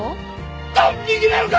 ドン引きなのか！？